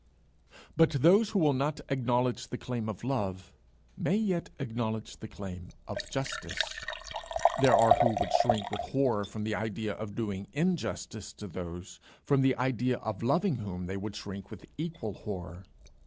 But those who will not acknowledge the claim of love, may yet acknowledge the claim of justice. There are who would shrink with horror from the idea of doing injustice to those, from the idea of loving whom they would shrink with equal horror.